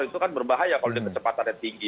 itu kan berbahaya kalau dia kecepatannya tinggi